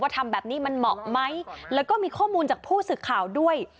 ทำแบบนี้มันเหมาะไหมแล้วก็มีข้อมูลจากผู้สื่อข่าวด้วย